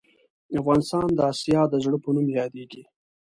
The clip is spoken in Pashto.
افغانستان د اسیا د زړه په نوم یادیږې